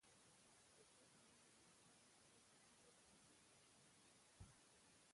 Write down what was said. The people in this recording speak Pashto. ترڅو عمه مې موږ ته مستې راوړې، او موږ مستې وخوړې